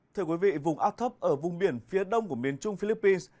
thưa quý vị vùng áp thấp ở vùng biển phía đông của miền trung philippines